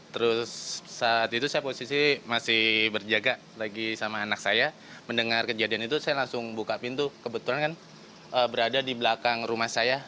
terus saat itu saya posisi masih berjaga lagi sama anak saya mendengar kejadian itu saya langsung buka pintu kebetulan kan berada di belakang rumah saya